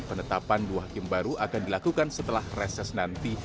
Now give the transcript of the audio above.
penetapan dua hakim baru akan dilakukan setelah reses nanti